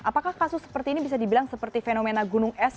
apakah kasus seperti ini bisa dibilang seperti fenomena gunung es